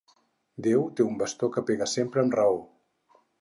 Déu té un bastó que pega sempre amb raó.